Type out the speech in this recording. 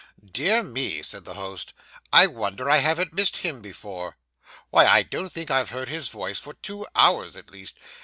'Dear me,' said the host, 'I wonder I haven't missed him before. Why, I don't think I've heard his voice for two hours at least.